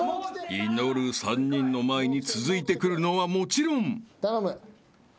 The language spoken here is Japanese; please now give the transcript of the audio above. ［祈る３人の前に続いて来るのはもちろん］頼む。